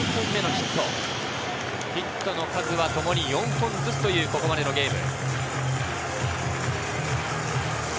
ヒットの数はともに４本ずつというここまでのゲーム。